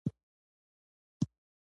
• د شپې چمک د سبا انتظار کوي.